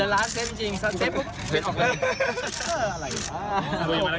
ร้านเซฟจริงซะเซฟปุ๊บเป็นออกไป